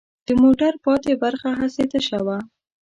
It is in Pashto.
د موټر پاتې برخه هسې تشه وه.